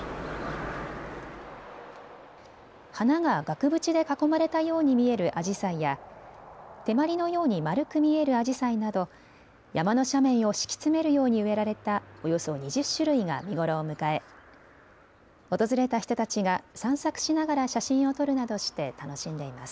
花が額縁で囲まれたように見えるアジサイや手まりのように丸く見えるアジサイなど山の斜面を敷き詰めるように植えられたおよそ２０種類が見頃を迎え訪れた人たちが散策しながら写真を撮るなどして楽しんでいます。